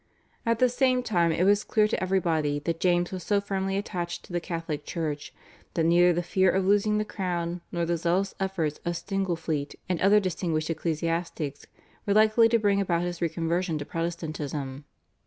At the same time it was clear to everybody, that James was so firmly attached to the Catholic Church that neither the fear of losing the crown nor the zealous efforts of Stillingfleet and other distinguished ecclesiastics were likely to bring about his re conversion to Protestantism.